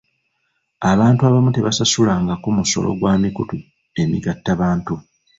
Abantu abamu tebasasulangako musolo gwa mikutu emigattabantu.